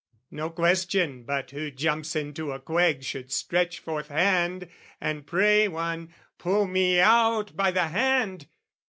No question but who jumps into a quag Should stretch forth hand and pray one "Pull me out "By the hand!"